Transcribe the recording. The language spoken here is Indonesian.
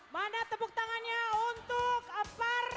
kalau tentang di makassar